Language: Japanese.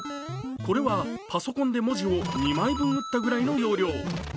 これはパソコンで文字を２枚分打ったぐらいの容量。